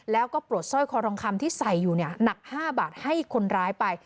แล้วก็ปลดสร้อยคอทองคำที่ใส่อยู่เนี่ยหนัก๕บาทให้คนร้ายไป